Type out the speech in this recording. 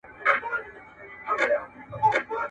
ناز دي کمه سوله دي کم جنګ دي کم.